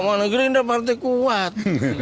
nggak nggak ada gereindra partai kuat